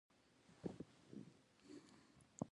دا د انسان لاشعور په نويو افکارو تغذيه کوي.